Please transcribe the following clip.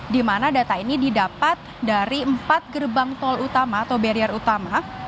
di mana data ini didapat dari empat gerbang tol utama atau barrier utama